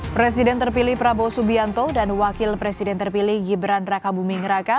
presiden terpilih prabowo subianto dan wakil presiden terpilih gibran raka buming raka